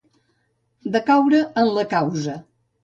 Decaure en la causa.